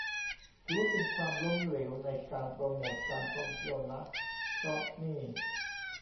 ถือว่าเป็นความล้มเหลวในการโปรโมทการท่องเที่ยวนะ เพราะนี่